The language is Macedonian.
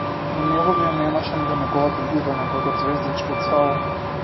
На небото ја немаше ниту неговата љубена како ѕвездичка од сало.